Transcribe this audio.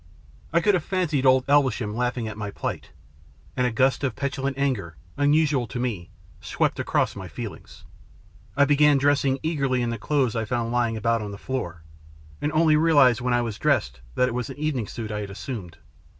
I could have fancied old Elvesham laughing at my plight, and a gust of petulant anger, unusual to me, swept across my feelings. I began dressing eagerly in the clothes I found lying about on the floor, and only realised when I was dressed that it was an evening suit I had assumed.